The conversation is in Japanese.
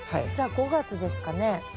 じゃあ５月ですかね。